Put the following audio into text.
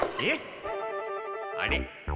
あれ？